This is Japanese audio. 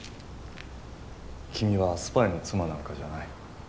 君はスパイの妻なんかじゃない。